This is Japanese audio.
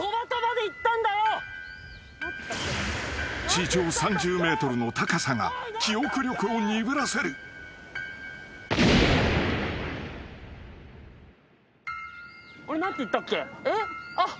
［地上３０ｍの高さが記憶力を鈍らせる］えっ？あっ。